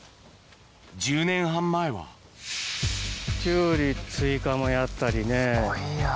１０年半前はキュウリスイカもやったりね。